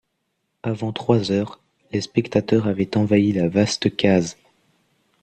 Avant trois heures, les spectateurs avaient envahi la vaste case.